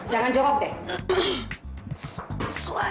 kau ini manusia paling sibuk apa